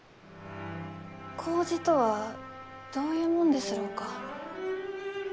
麹とはどういうもんですろうか？